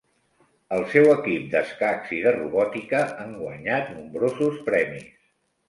El seu equip d'escacs i de robòtica han guanyat nombrosos premis.